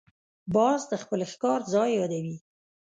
باز د خپل ښکار ځای یادوي